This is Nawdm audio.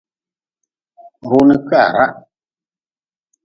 Runi kwiharah.